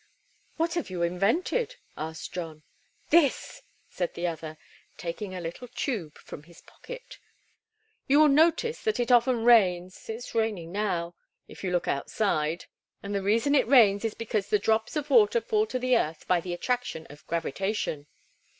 "What have you invented?" asked John. "This!" said the other, taking a little tube from his pocket. "You will notice that it often rains it's raining now, if you'll look outside. And the reason it rains is because the drops of water fall to the earth by the attraction of gravitation."